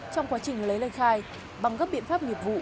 trong quá trình lấy lời khai bằng các biện pháp nghiệp vụ